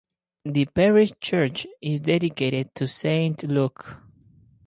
The parish church is dedicated to Saint Luke.